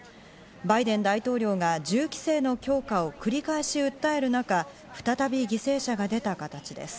バイデン大統領が銃規制の強化を繰り返し訴える中、再び犠牲者が出た形です。